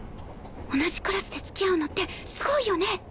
同じクラスで付き合うのってすごいよね！